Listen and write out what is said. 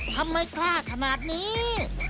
ทำไมกล้าขนาดนี้